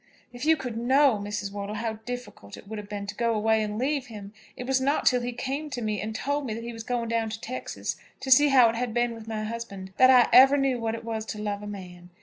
"If you could know, Mrs. Wortle, how difficult it would have been to go away and leave him! It was not till he came to me and told me that he was going down to Texas, to see how it had been with my husband, that I ever knew what it was to love a man.